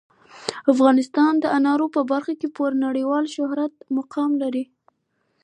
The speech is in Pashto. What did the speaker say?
افغانستان د انارو په برخه کې پوره نړیوال شهرت او مقام لري.